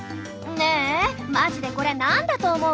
ねえマジでこれ何だと思う？